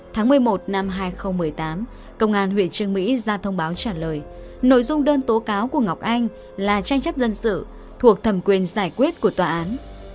tháng một mươi một năm hai nghìn một mươi tám công an huyện trương mỹ ra thông báo trả lời nội dung đơn tố cáo của ngọc anh là tranh chấp dân sự thuộc thẩm quyền giải quyết của tòa án